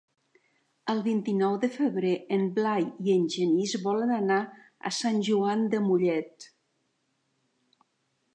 El vint-i-nou de febrer en Blai i en Genís volen anar a Sant Joan de Mollet.